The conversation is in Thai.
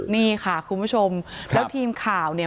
นี่ค่ะคุณผู้ชมแล้วทีมข่าวเนี่ย